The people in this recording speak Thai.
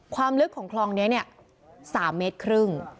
ความลึกของคลองนี้๓๕เมตร